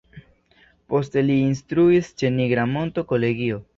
Poste li instruis ĉe Nigra Monto Kolegio.